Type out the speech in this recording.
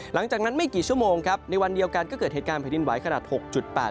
หลังจากนั้นไม่กี่ชั่วโมงครับในวันเดียวกันก็เกิดเหตุการณ์แผ่นดินไหวขนาด๖๘